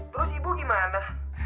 terus ibu gimana